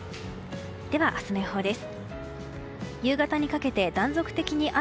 では、明日の予報です。